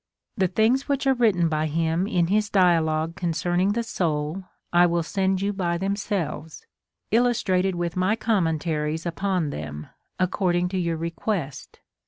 The things which are written by liim in his Dia logue concerning the Soul I will send you by themselves, illustrated with my commentaries upon them, according to your request.